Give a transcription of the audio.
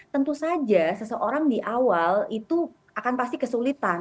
tentu saja seseorang di awal itu akan pasti kesulitan